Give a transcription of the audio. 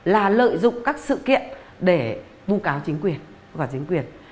là lợi dụng các sự kiện để vụ cáo chính quyền